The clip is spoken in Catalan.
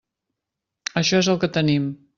Això és el que tenim.